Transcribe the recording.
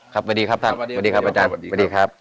สวัสดีครับท่านสวัสดีครับอาจารย์สวัสดีครับ